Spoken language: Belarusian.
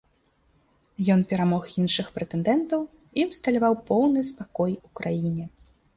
Ён перамог іншых прэтэндэнтаў і ўсталяваў поўны спакой у краіне.